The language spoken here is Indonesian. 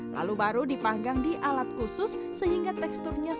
lalu baru dipanggang di alat khusus sehingga teksturnya sehat